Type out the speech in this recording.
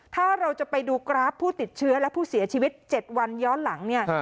ถ้าเราจะไปดูกราฟผู้ติดเชื้อและผู้เสียชีวิต๗วันย้อนหลังเนี่ย